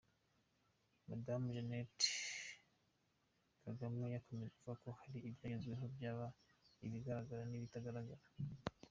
Madame Jeannette Kagame yakomeje avuga ko hari ibyagezweho byaba ibigaragara n’ibitagaragara.